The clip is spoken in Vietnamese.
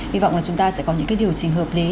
hy vọng là chúng ta sẽ có những điều chỉnh hợp lý